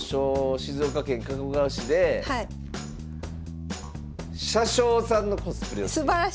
静岡県掛川市で車掌さんのコスプレをしている。